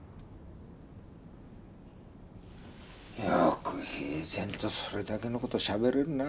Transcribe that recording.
よく平然とそれだけの事をしゃべれるな。